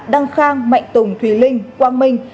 đăng khang mạnh tùng thùy linh quang minh